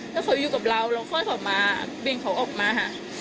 ถ้าเขาอยู่กับเราเราค่อยเขามาเบ่งเขาออกมาค่ะ